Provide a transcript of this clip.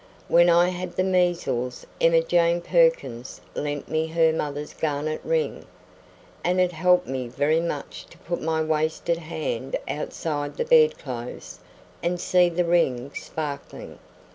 When I had the measles Emma Jane Perkins lent me her mother's garnet ring, and it helped me very much to put my wasted hand outside the bedclothes and see the ring sparkling.